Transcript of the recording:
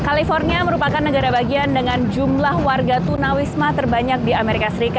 california merupakan negara bagian dengan jumlah warga tunawisma terbanyak di amerika serikat